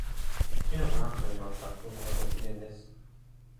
木のブランコに乗った子供がごきげんです。